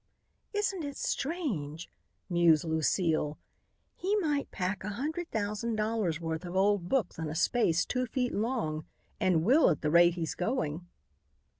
"Isn't it strange!" mused Lucile. "He might pack a hundred thousand dollars' worth of old books in a space two feet long, and will at the rate he's going."